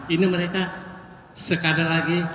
ini mereka sekali lagi